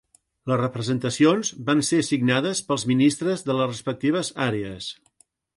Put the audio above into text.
Les representacions van ser signades pels ministres de les respectives àrees.